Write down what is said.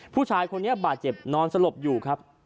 ผู้ชายคนนี้บาดเจ็บนอนสลบอยู่ครับ